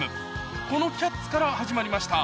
この『キャッツ』から始まりました